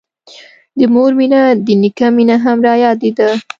د مور مينه د نيکه مينه مې رايادېده.